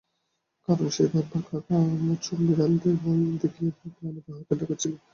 কারণ সে বারবার কাকামুচোর বিড়ালদের ভয় দেখানোর প্ল্যানে বাহাত ঢোকাচ্ছিল।